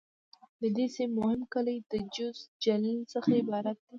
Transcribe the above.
د دې سیمې مهم کلي د: جوز، جلیل..څخه عبارت دي.